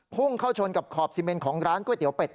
พุ่งเข้าชนกับขอบซีเมนของร้านก๋วยเตี๋เป็ด